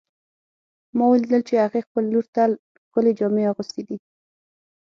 ما ولیدل چې هغې خپل لور ته ښکلې جامې اغوستې دي